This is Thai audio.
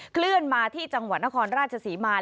เคลื่อนมาที่จังหวัดนครราชศรีมา